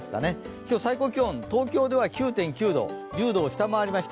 今日、最高気温、東京では９．９度、１０度を下回りました。